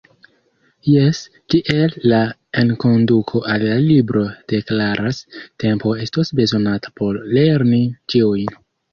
Jes, kiel la enkonduko al la libro deklaras: “Tempo estos bezonata por lerni ĉiujn”.